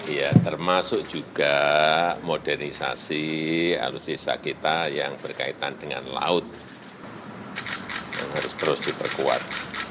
ya termasuk juga modernisasi alutsista kita yang berkaitan dengan laut yang harus terus diperkuat